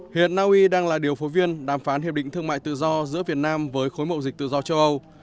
hiện naui đang là điều phối viên đàm phán hiệp định thương mại tự do giữa việt nam với khối mậu dịch tự do châu âu